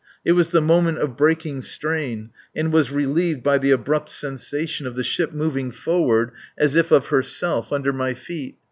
It was the moment of breaking strain and was relieved by the abrupt sensation of the ship moving forward as if of herself under my feet.